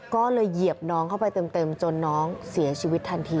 ก็เลยเหยียบน้องเข้าไปเต็มจนน้องเสียชีวิตทันที